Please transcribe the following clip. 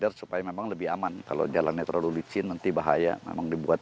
degrader supaya memang lebih aman kalau jalan yang terlalu licin nanti bahaya memang dibuat